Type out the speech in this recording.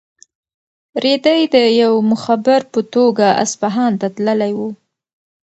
رېدی د یو مخبر په توګه اصفهان ته تللی و.